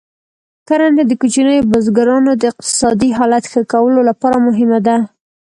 کرنه د کوچنیو بزګرانو د اقتصادي حالت ښه کولو لپاره مهمه ده.